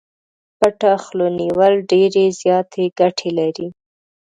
پټه خوله نيول ډېرې زياتې ګټې لري.